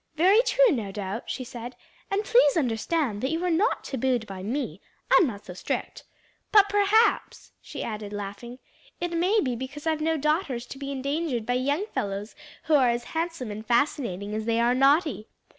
"Very true, no doubt," she said; "and please understand that you are not tabooed by me. I'm not so strict. But perhaps," she added laughing, "it may be because I've no daughters to be endangered by young fellows who are as handsome and fascinating as they are naughty."